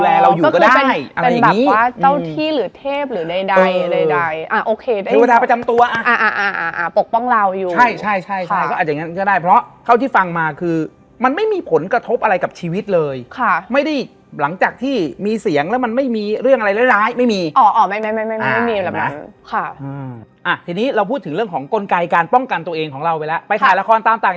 แล้วก็มีจังหวะที่เรานั่งรถไปเรื่อยเรารู้สึกว่าเราดีขึ้น